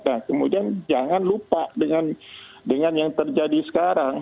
nah kemudian jangan lupa dengan yang terjadi sekarang